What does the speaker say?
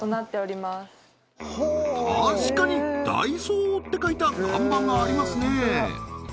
確かに「ダイソー」って書いた看板がありますね